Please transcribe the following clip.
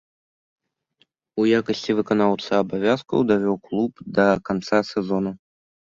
У якасці выканаўцы абавязкаў давёў клуб да канца сезону.